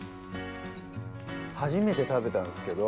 初めて食べたんすけど。